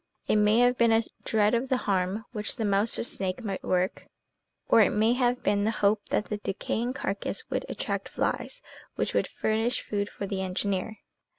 It may have been a dread of the harm which the mouse or snake might work, or it may have been the hope that the decaying carcass would attract flies which would furnish food for the engineer.